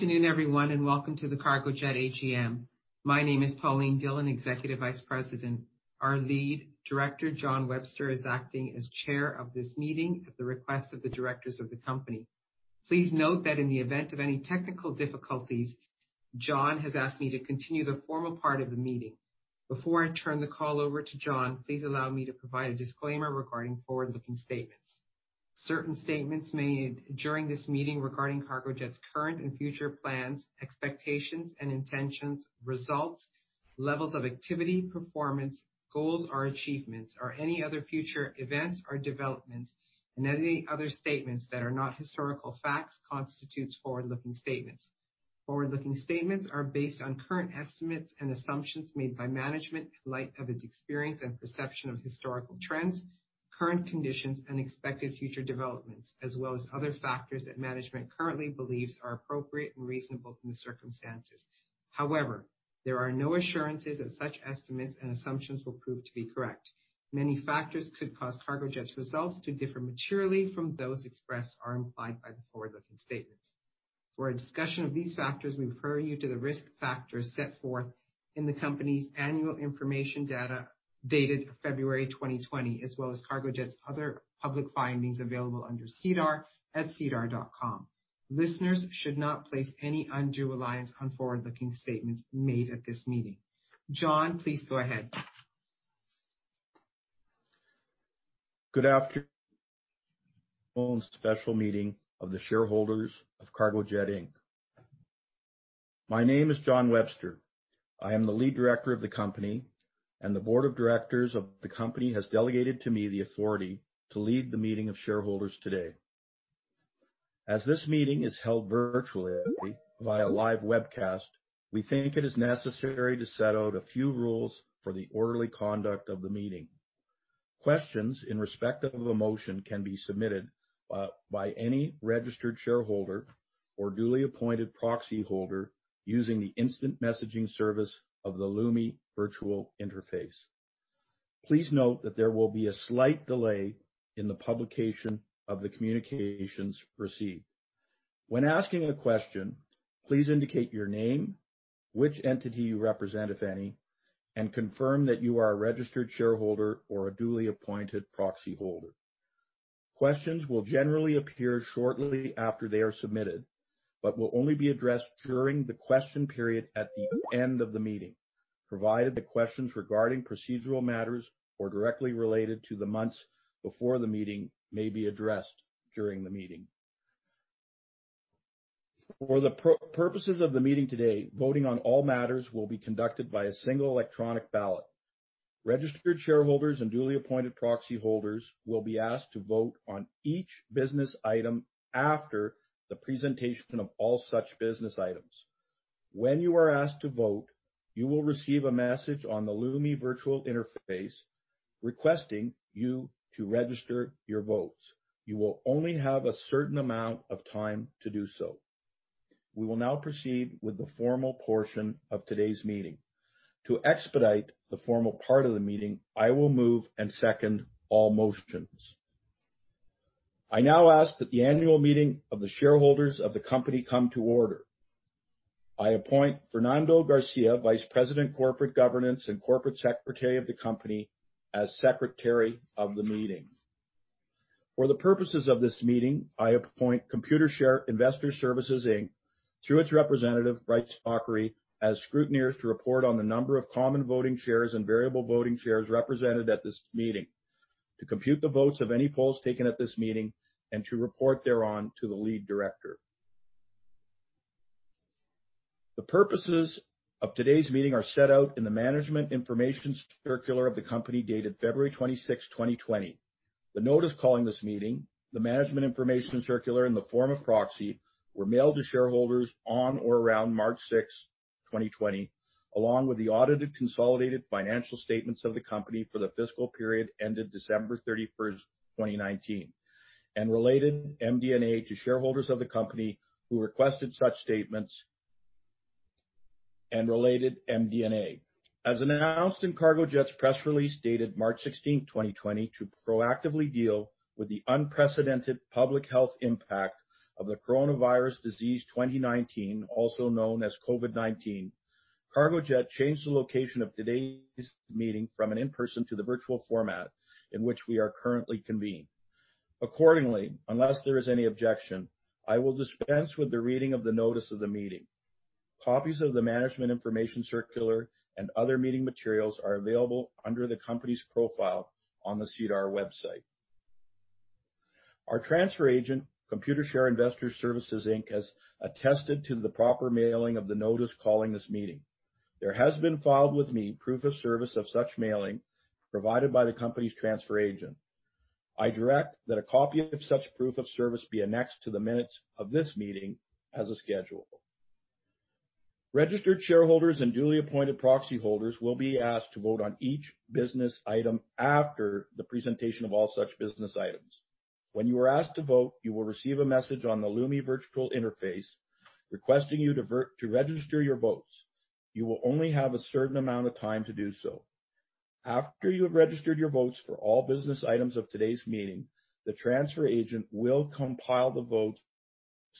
Good afternoon, everyone. Welcome to the Cargojet AGM. My name is Pauline Dhillon, Executive Vice President. Our Lead Director, John Webster, is acting as Chair of this meeting at the request of the directors of the company. Please note that in the event of any technical difficulties, John has asked me to continue the formal part of the meeting. Before I turn the call over to John, please allow me to provide a disclaimer regarding forward-looking statements. Certain statements made during this meeting regarding Cargojet's current and future plans, expectations and intentions, results, levels of activity, performance, goals or achievements or any other future events or developments and any other statements that are not historical facts, constitutes forward-looking statements. Forward-looking statements are based on current estimates and assumptions made by management in light of its experience and perception of historical trends, current conditions, and expected future developments, as well as other factors that management currently believes are appropriate and reasonable in the circumstances. There are no assurances that such estimates and assumptions will prove to be correct. Many factors could cause Cargojet's results to differ materially from those expressed or implied by the forward-looking statements. For a discussion of these factors, we refer you to the risk factors set forth in the company's annual information data dated February 2020, as well as Cargojet's other public filings available under SEDAR at sedar.com. Listeners should not place any undue reliance on forward-looking statements made at this meeting. John, please go ahead. Good afternoon. Special meeting of the shareholders of Cargojet Inc. My name is John Webster. I am the Lead Director of the company, and the Board of Directors of the company has delegated to me the authority to lead the meeting of shareholders today. As this meeting is held virtually via live webcast, we think it is necessary to set out a few rules for the orderly conduct of the meeting. Questions in respect of a motion can be submitted by any registered shareholder or duly appointed proxyholder using the instant messaging service of the Lumi Virtual Interface. Please note that there will be a slight delay in the publication of the communications received. When asking a question, please indicate your name, which entity you represent, if any, and confirm that you are a registered shareholder or a duly appointed proxyholder. Questions will generally appear shortly after they are submitted, but will only be addressed during the question period at the end of the meeting, provided the questions regarding procedural matters or directly related to the months before the meeting may be addressed during the meeting. For the purposes of the meeting today, voting on all matters will be conducted by a single electronic ballot. Registered shareholders and duly appointed proxyholders will be asked to vote on each business item after the presentation of all such business items. When you are asked to vote, you will receive a message on the Lumi Virtual Interface requesting you to register your votes. You will only have a certain amount of time to do so. We will now proceed with the formal portion of today's meeting. To expedite the formal part of the meeting, I will move and second all motions. I now ask that the annual meeting of the shareholders of the company come to order. I appoint Fernando Garcia, Vice President, Corporate Governance and Corporate Secretary of the company, as Secretary of the meeting. For the purposes of this meeting, I appoint Computershare Investor Services Inc., through its representative, Wright Spakory, as scrutineers to report on the number of common voting shares and variable voting shares represented at this meeting, to compute the votes of any polls taken at this meeting, and to report thereon to the lead director. The purposes of today's meeting are set out in the management information circular of the company dated February 26, 2020. The notice calling this meeting, the management information circular in the form of proxy, were mailed to shareholders on or around March 6, 2020, along with the audited consolidated financial statements of the company for the fiscal period ended December 31, 2019, and related MD&A to shareholders of the company who requested such statements and related MD&A. As announced in Cargojet's press release dated March 16, 2020, to proactively deal with the unprecedented public health impact of the coronavirus disease 2019, also known as COVID-19, Cargojet changed the location of today's meeting from an in-person to the virtual format in which we are currently convened. Accordingly, unless there is any objection, I will dispense with the reading of the notice of the meeting. Copies of the management information circular and other meeting materials are available under the company's profile on the SEDAR website. Our transfer agent, Computershare Investor Services Inc., has attested to the proper mailing of the notice calling this meeting. There has been filed with me proof of service of such mailing provided by the company's transfer agent. I direct that a copy of such proof of service be annexed to the minutes of this meeting as a schedule. Registered shareholders and duly appointed proxyholders will be asked to vote on each business item after the presentation of all such business items. When you are asked to vote, you will receive a message on the Lumi Virtual Interface requesting you to register your votes. You will only have a certain amount of time to do so. After you have registered your votes for all business items of today's meeting, the transfer agent will compile the votes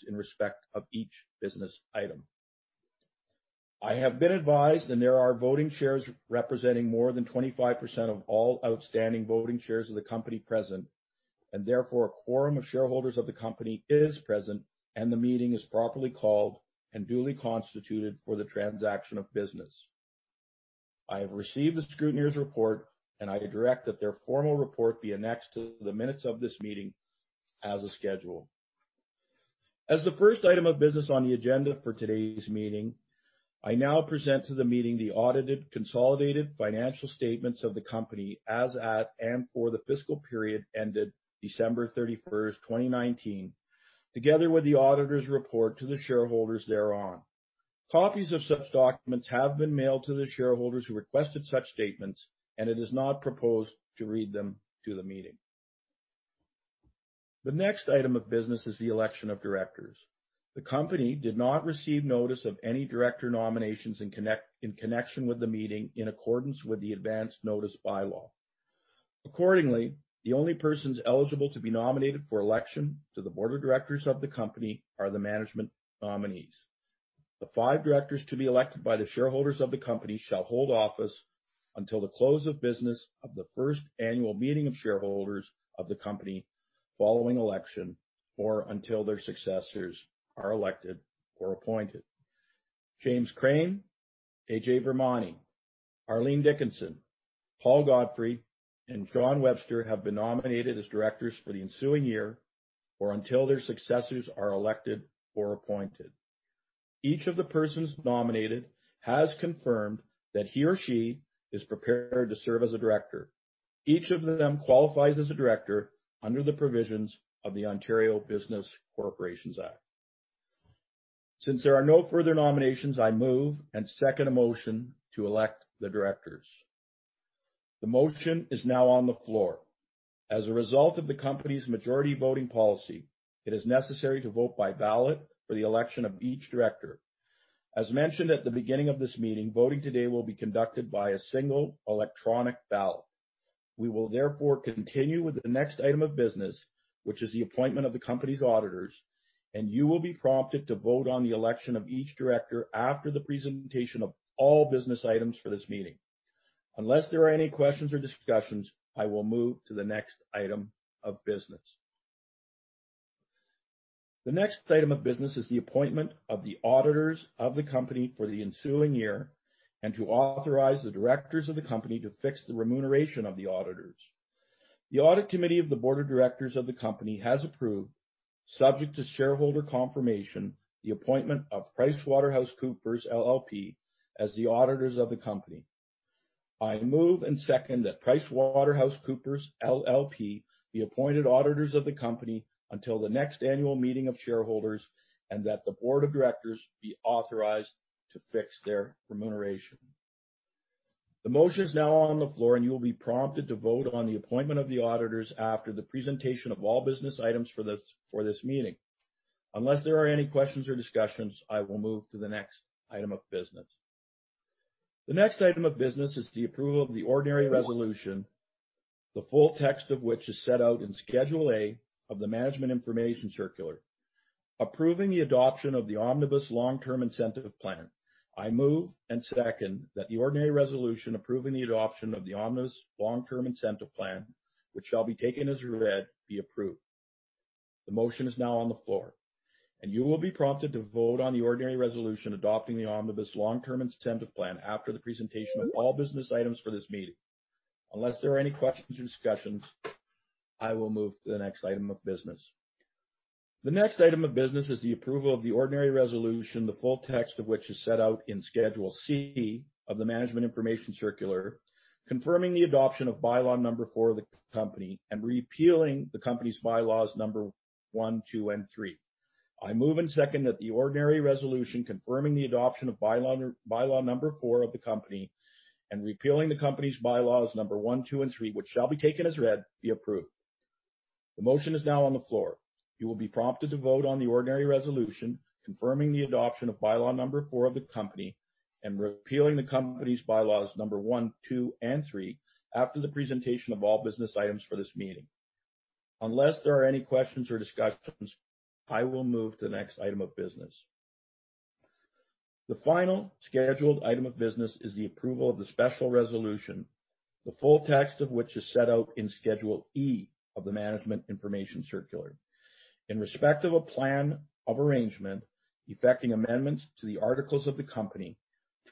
in respect of each business item. I have been advised that there are voting shares representing more than 25% of all outstanding voting shares of the company present, and therefore a quorum of shareholders of the company is present, and the meeting is properly called and duly constituted for the transaction of business. I have received the scrutineer's report, and I direct that their formal report be annexed to the minutes of this meeting as a schedule. As the first item of business on the agenda for today's meeting, I now present to the meeting the audited consolidated financial statements of the company as at and for the fiscal period ended December 31st, 2019, together with the auditor's report to the shareholders thereon. Copies of such documents have been mailed to the shareholders who requested such statements, and it is not proposed to read them to the meeting. The next item of business is the election of directors. The company did not receive notice of any director nominations in connection with the meeting in accordance with the advanced notice bylaw. Accordingly, the only persons eligible to be nominated for election to the board of directors of the company are the management nominees. The five directors to be elected by the shareholders of the company shall hold office until the close of business of the first annual meeting of shareholders of the company following election or until their successors are elected or appointed. James Crane, Ajay Virmani, Arlene Dickinson, Paul Godfrey, and John Webster have been nominated as directors for the ensuing year or until their successors are elected or appointed. Each of the persons nominated has confirmed that he or she is prepared to serve as a director. Each of them qualifies as a director under the provisions of the Ontario Business Corporations Act. Since there are no further nominations, I move and second a motion to elect the directors. The motion is now on the floor. As a result of the company's majority voting policy, it is necessary to vote by ballot for the election of each director. As mentioned at the beginning of this meeting, voting today will be conducted by a single electronic ballot. We will therefore continue with the next item of business, which is the appointment of the company's auditors, and you will be prompted to vote on the election of each director after the presentation of all business items for this meeting. Unless there are any questions or discussions, I will move to the next item of business. The next item of business is the appointment of the auditors of the company for the ensuing year and to authorize the directors of the company to fix the remuneration of the auditors. The audit committee of the board of directors of the company has approved, subject to shareholder confirmation, the appointment of PricewaterhouseCoopers LLP as the auditors of the company. I move and second that PricewaterhouseCoopers LLP be appointed auditors of the company until the next annual meeting of shareholders, and that the board of directors be authorized to fix their remuneration. The motion is now on the floor, and you will be prompted to vote on the appointment of the auditors after the presentation of all business items for this meeting. Unless there are any questions or discussions, I will move to the next item of business. The next item of business is the approval of the ordinary resolution, the full text of which is set out in Schedule A of the management information circular, approving the adoption of the Omnibus Long-Term Incentive Plan. I move and second that the ordinary resolution approving the adoption of the Omnibus Long-Term Incentive Plan, which shall be taken as read, be approved. The motion is now on the floor, and you will be prompted to vote on the ordinary resolution adopting the Omnibus Long-Term Incentive Plan after the presentation of all business items for this meeting. Unless there are any questions or discussions, I will move to the next item of business. The next item of business is the approval of the ordinary resolution, the full text of which is set out in Schedule C of the management information circular, confirming the adoption of bylaw Number 4 of the company and repealing the company's bylaws Number 1, 2, and 3. I move and second that the ordinary resolution confirming the adoption of bylaw number 4 of the company and repealing the company's bylaws Number 1, 2 and 3, which shall be taken as read, be approved. The motion is now on the floor. You will be prompted to vote on the ordinary resolution confirming the adoption of bylaw Number 4 of the company and repealing the company's bylaws Number 1, 2 and 3 after the presentation of all business items for this meeting. Unless there are any questions or discussions, I will move to the next item of business. The final scheduled item of business is the approval of the special resolution, the full text of which is set out in Schedule E of the management information circular. In respect of a plan of arrangement, effecting amendments to the articles of the company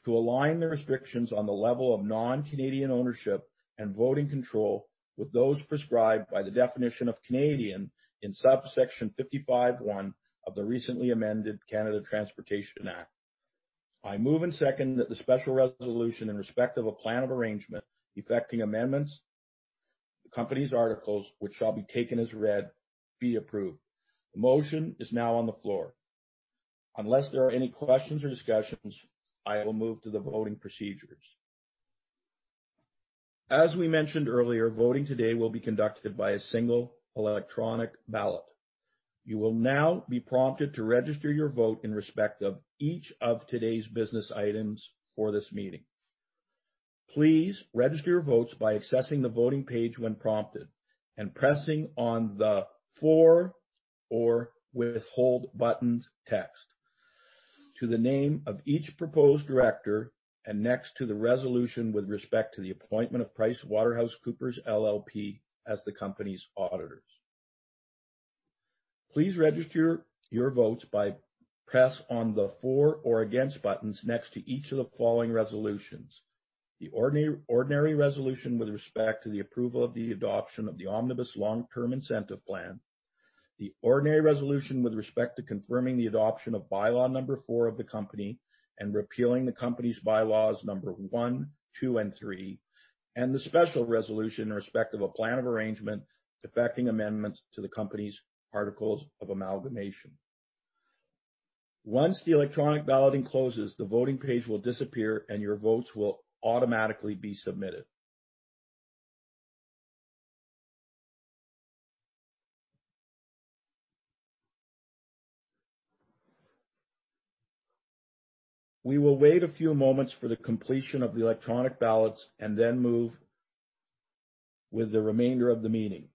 to align the restrictions on the level of non-Canadian ownership and voting control with those prescribed by the definition of Canadian in sub-section 55 (1) of the recently amended Canada Transportation Act. I move and second that the special resolution in respect of a plan of arrangement effecting amendments to the company's articles, which shall be taken as read, be approved. The motion is now on the floor. Unless there are any questions or discussions, I will move to the voting procedures. As we mentioned earlier, voting today will be conducted by a single electronic ballot. You will now be prompted to register your vote in respect of each of today's business items for this meeting. Please register your votes by accessing the voting page when prompted, and pressing on the For or Withhold buttons next to the name of each proposed director, and next to the resolution with respect to the appointment of PricewaterhouseCoopers LLP as the company's auditors. Please register your votes by pressing on the For or Against buttons next to each of the following resolutions. The ordinary resolution with respect to the approval of the adoption of the Omnibus Long-Term Incentive Plan, the ordinary resolution with respect to confirming the adoption of bylaw Number 4 of the company and repealing the company's bylaws number one, two, and three, and the special resolution in respect of a plan of arrangement effecting amendments to the company's articles of amalgamation. Once the electronic balloting closes, the voting page will disappear and your votes will automatically be submitted. We will wait a few moments for the completion of the electronic ballots and then move with the remainder of the meeting.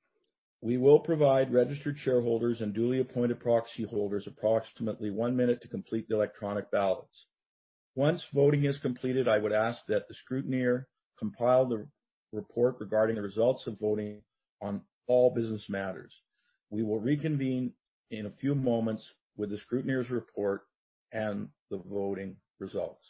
We will provide registered shareholders and duly appointed proxy holders approximately one minute to complete the electronic ballots. Once voting is completed, I would ask that the scrutineer compile the report regarding the results of voting on all business matters. We will reconvene in a few moments with the scrutineer's report and the voting results.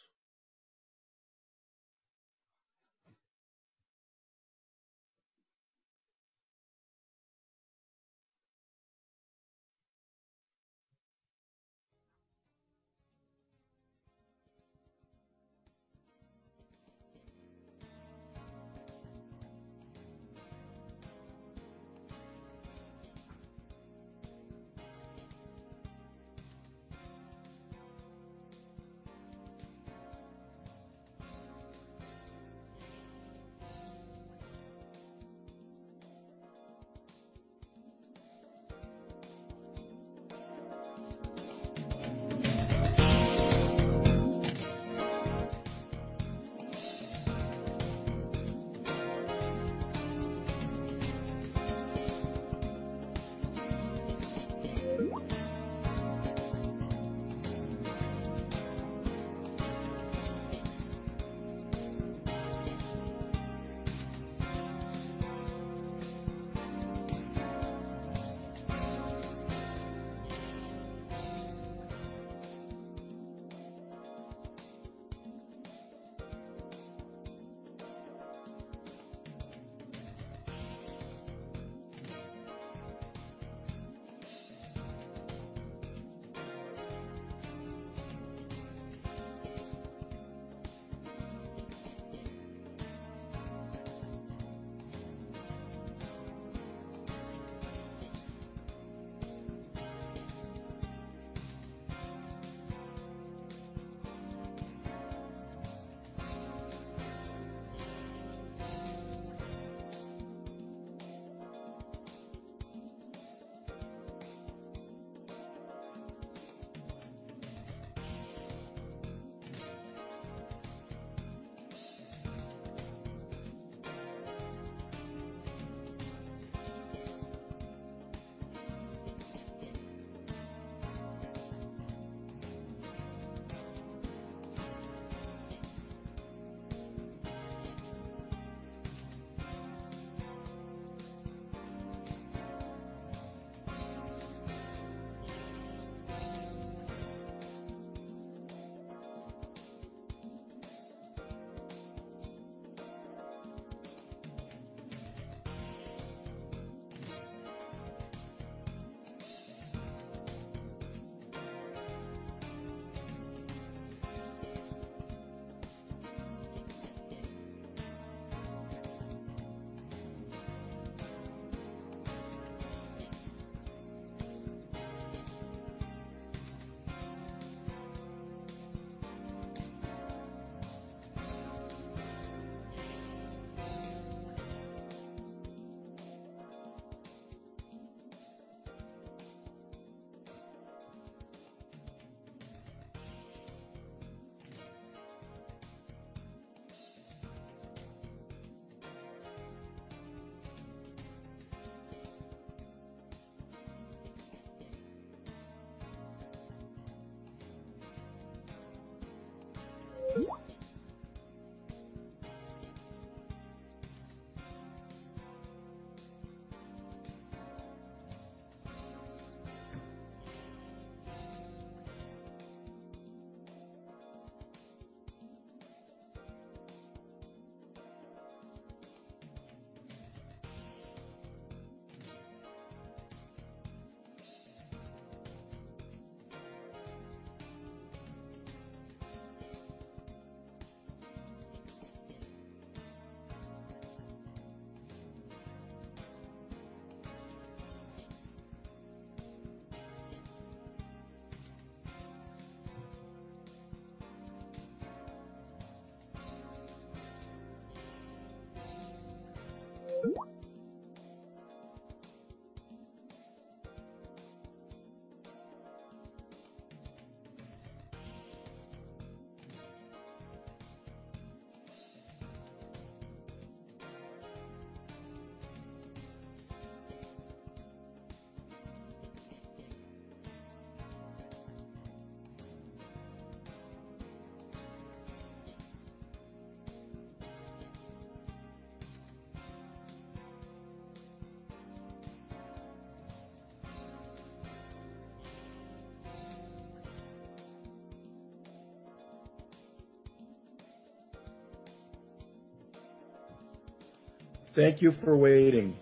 Thank you for waiting.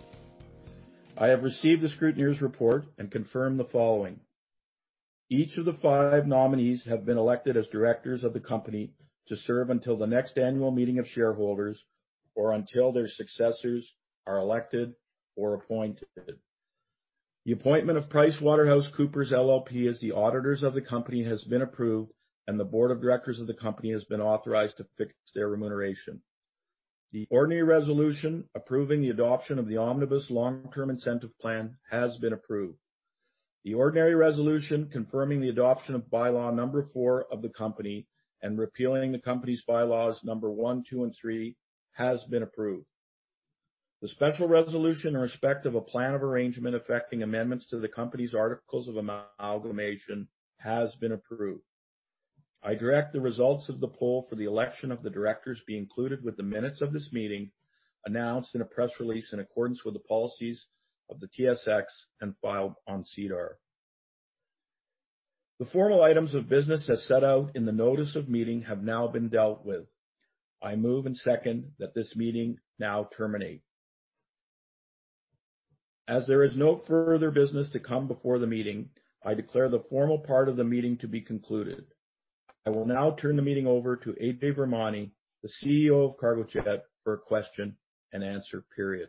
I have received the scrutineer's report and confirm the following. Each of the five nominees have been elected as directors of the company to serve until the next annual meeting of shareholders or until their successors are elected or appointed. The appointment of PricewaterhouseCoopers LLP as the auditors of the company has been approved, and the board of directors of the company has been authorized to fix their remuneration. The ordinary resolution approving the adoption of the Omnibus Long-Term Incentive Plan has been approved. The ordinary resolution confirming the adoption of bylaw number four of the company and repealing the company's bylaws number one, two and three has been approved. The special resolution in respect of a plan of arrangement affecting amendments to the company's articles of amalgamation has been approved. I direct the results of the poll for the election of the directors be included with the minutes of this meeting, announced in a press release in accordance with the policies of the TSX and filed on SEDAR. The formal items of business as set out in the notice of meeting have now been dealt with. I move and second that this meeting now terminate. There is no further business to come before the meeting. I declare the formal part of the meeting to be concluded. I will now turn the meeting over to Ajay Virmani, the CEO of Cargojet, for a question and answer period.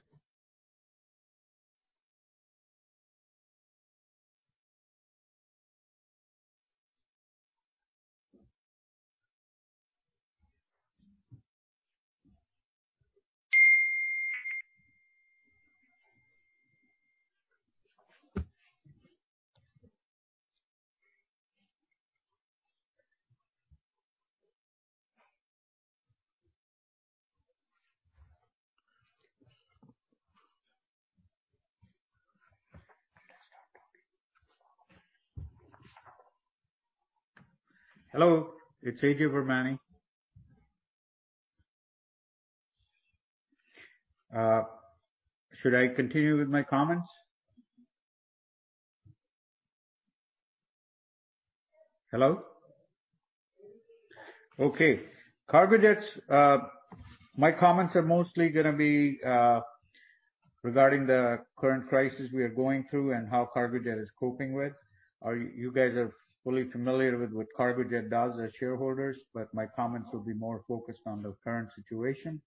Hello, it's Ajay Virmani. Should I continue with my comments? Hello? Okay. My comments are mostly going to be regarding the current crisis we are going through and how Cargojet is coping with. You guys are fully familiar with what Cargojet does as shareholders. My comments will be more focused on the current situation.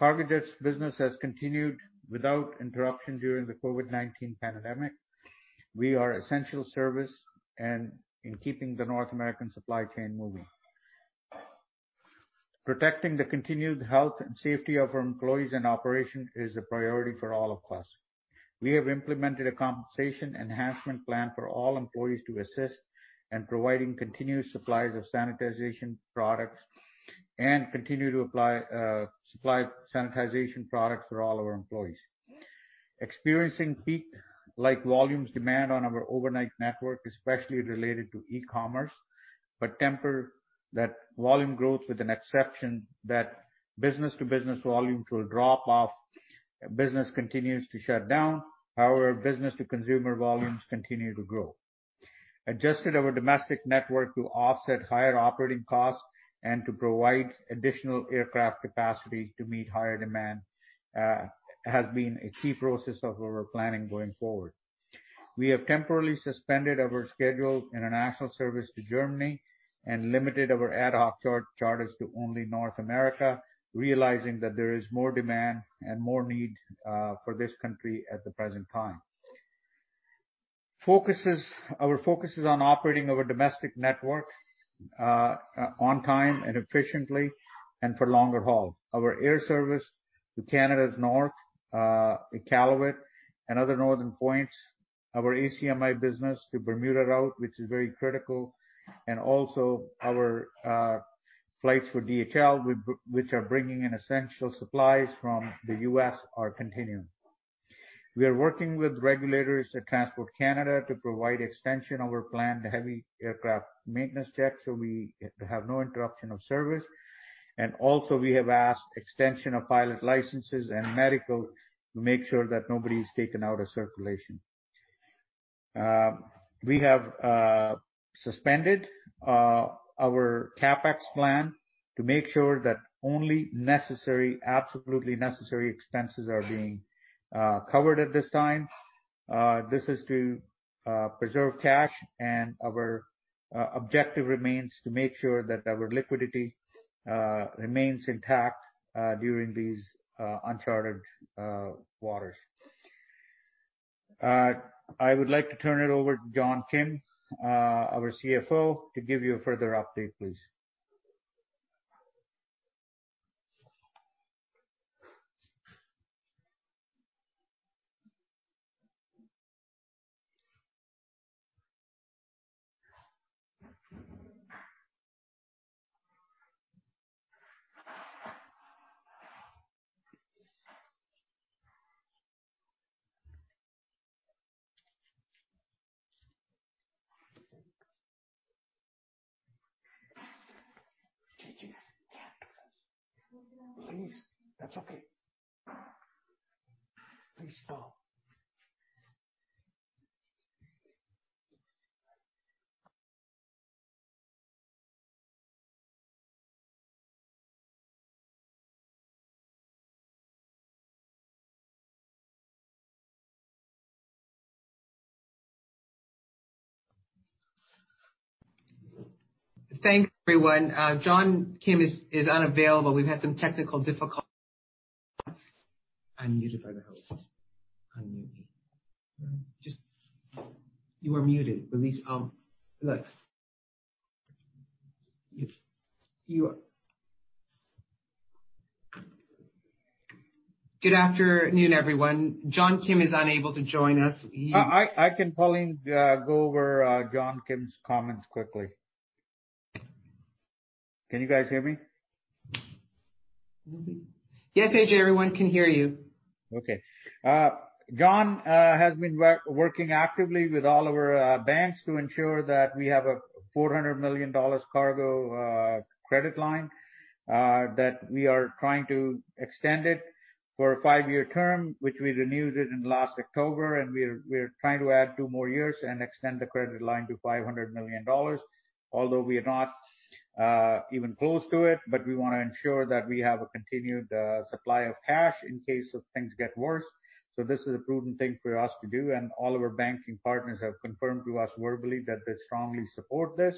Cargojet's business has continued without interruption during the COVID-19 pandemic. We are essential service in keeping the North American supply chain moving. Protecting the continued health and safety of our employees and operation is a priority for all of us. We have implemented a compensation enhancement plan for all employees to assist in providing continuous supplies of sanitization products and continue to supply sanitization products for all our employees. Experiencing peak-like volumes demand on our overnight network, especially related to e-commerce, but temper that volume growth with an exception that business-to-business volumes will drop off as business continues to shut down. However, business-to-consumer volumes continue to grow. Adjusted our domestic network to offset higher operating costs and to provide additional aircraft capacity to meet higher demand has been a key process of our planning going forward. We have temporarily suspended our scheduled international service to Germany and limited our ad hoc charters to only North America, realizing that there is more demand and more need for this country at the present time. Our focus is on operating our domestic network on time and efficiently and for longer haul. Our air service to Canada's North, Iqaluit, and other northern points, our ACMI business to Bermuda route, which is very critical, and also our flights for DHL, which are bringing in essential supplies from the U.S., are continuing. We are working with regulators at Transport Canada to provide extension of our planned heavy aircraft maintenance checks so we have no interruption of service. We have asked extension of pilot licenses and medical to make sure that nobody is taken out of circulation. We have suspended our CapEx plan to make sure that only necessary, absolutely necessary expenses are being covered at this time. This is to preserve cash, and our objective remains to make sure that our liquidity remains intact during these uncharted waters. I would like to turn it over to John Kim, our CFO, to give you a further update, please. Please. That's okay. Please, go. Thanks, everyone. John Kim is unavailable. We've had some technical difficulties. Unmute by the host. Unmute me. You are muted. Look. Good afternoon, everyone. John Kim is unable to join us. I can probably go over John Kim's comments quickly. Can you guys hear me? Yes, AJ, everyone can hear you. John has been working actively with all of our banks to ensure that we have a 400 million dollars cargo credit line, that we are trying to extend it for a five-year term, which we renewed it in last October. We're trying to add two more years and extend the credit line to 500 million dollars. Although we are not even close to it, we want to ensure that we have a continued supply of cash in case if things get worse. This is a prudent thing for us to do. All of our banking partners have confirmed to us verbally that they strongly support this,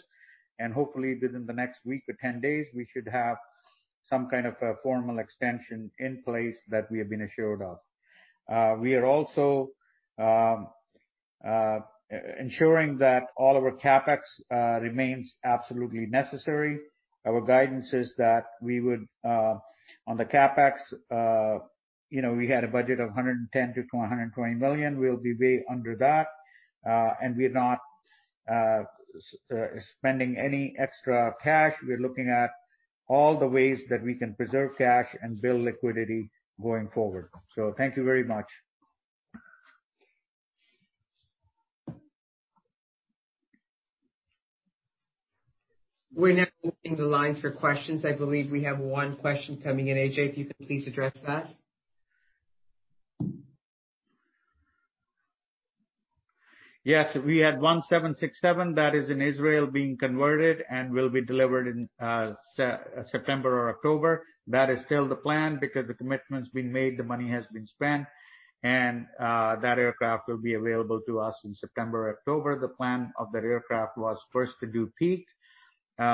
and hopefully within the next week or 10 days, we should have some kind of a formal extension in place that we have been assured of. We are also ensuring that all of our CapEx remains absolutely necessary. Our guidance is that we would, on the CapEx, we had a budget of 110 million-120 million. We'll be way under that. We're not spending any extra cash. We're looking at all the ways that we can preserve cash and build liquidity going forward. Thank you very much. We're now opening the lines for questions. I believe we have one question coming in. AJ, if you can please address that. Yes. We had one [Boeing 767] that is in Israel being converted and will be delivered in September or October. That is still the plan because the commitment's been made, the money has been spent, and that aircraft will be available to us in September or October. The plan of that aircraft was first to do peak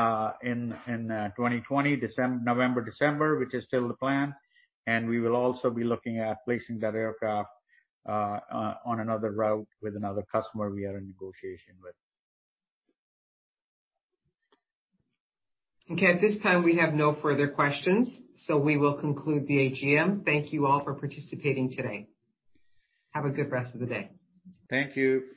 in 2020, November, December, which is still the plan. We will also be looking at placing that aircraft on another route with another customer we are in negotiation with. Okay. At this time we have no further questions. We will conclude the AGM. Thank you all for participating today. Have a good rest of the day. Thank you.